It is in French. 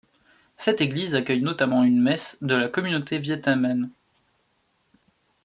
Cette église accueille notamment une messe de la communauté vietnamienne.